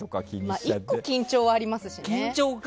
やっぱ緊張はありますしね。